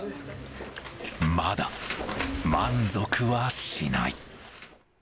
まだ、満足はしない。